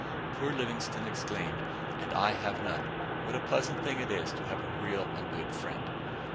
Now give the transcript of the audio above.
Poor Livingstone exclaimed, "And I have none. What a pleasant thing it is to have a real and good friend!"